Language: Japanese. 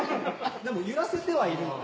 でも揺らせてはいるので。